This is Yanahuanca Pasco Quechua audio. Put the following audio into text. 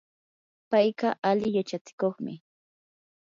payqa ali yachachikuqmi.